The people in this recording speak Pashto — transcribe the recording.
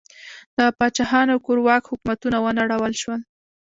د پاچاهانو کورواک حکومتونه ونړول شول.